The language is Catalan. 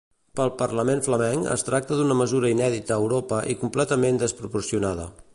Pel parlament flamenc, es tracta d'una mesura inèdita a Europa i completament desproporcionada.